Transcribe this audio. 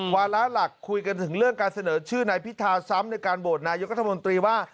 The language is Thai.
วาระหลักคุยกันถึงเรื่องการเสนอชื่อนายพิธาซ้ำในการโหวตนายกัธมนตรีว่า